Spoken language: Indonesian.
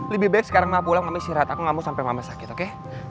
lebih baik sekarang mah pulang kami sirat aku gak mau sampai mama sakit oke